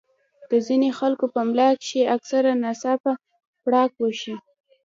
د ځينې خلکو پۀ ملا کښې اکثر ناڅاپه پړق اوشي